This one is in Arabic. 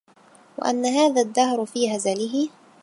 وأَنَّ هذا الدهرَ في هَزله